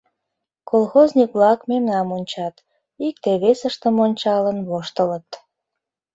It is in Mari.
Колхозник-влак мемнам ончат, икте-весыштым ончалын воштылыт...